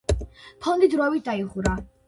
ფონდი დროებით დაიხურა.